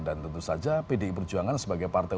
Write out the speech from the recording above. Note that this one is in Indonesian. dan tentu saja pdi perjuangan sebagai partai